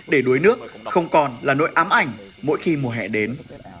để đuối nước không còn là nỗi ám ảnh mỗi khi mùa hè đến